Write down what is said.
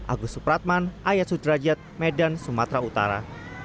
agus supratman ayat sudrajat medan sumatera utara